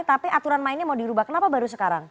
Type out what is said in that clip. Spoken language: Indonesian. tapi aturan mainnya mau dirubah kenapa baru sekarang